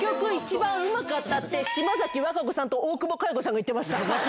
島崎和歌子さんと大久保佳代子さんが言ってました。